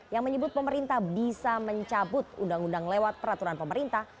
yang menyebut pemerintah bisa mencabut undang undang lewat peraturan pemerintah